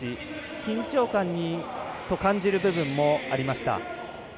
緊張感を感じる部分もありました。